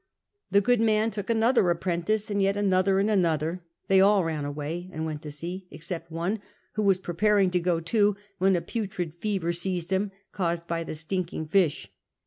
The good man took another apprentice, and yet another, and another. They all ran away and went to sea, except one, who was preparing to go too when a putrid fever seized him, caused by the stinking fish.